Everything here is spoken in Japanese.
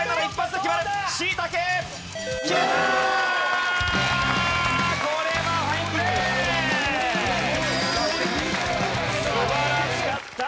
素晴らしかった。